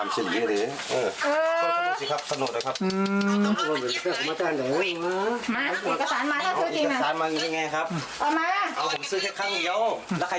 แล้วใครจะเอาเงินคืนให้ผมมา